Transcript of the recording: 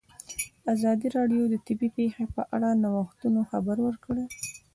ازادي راډیو د طبیعي پېښې په اړه د نوښتونو خبر ورکړی.